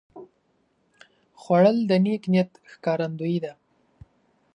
خوړل د نیک نیت ښکارندویي ده